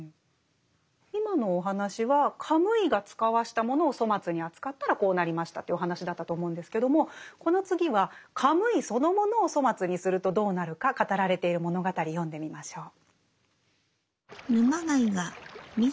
今のお話はカムイが遣わしたものを粗末に扱ったらこうなりましたというお話だったと思うんですけどもこの次はカムイそのものを粗末にするとどうなるか語られている物語読んでみましょう。